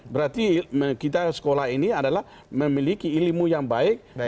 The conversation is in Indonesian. berarti kita sekolah ini adalah memiliki ilmu yang baik